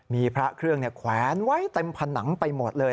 มีพระเครื่องแขวนไว้เต็มผนังไปหมดเลย